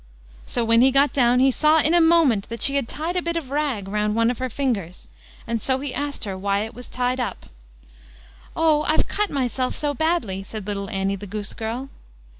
So when he got down he saw in a moment that she had tied a bit of rag round one of her fingers, and so he asked her why it was tied up. "Oh! I've cut myself so badly", said little Annie the goose girl.